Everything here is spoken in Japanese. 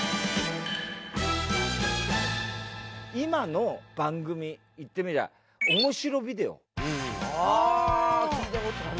今の番組言ってみりゃあああ聞いた事ある。